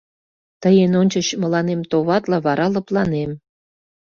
— Тый эн ончыч мыланем товатле, вара лыпланем.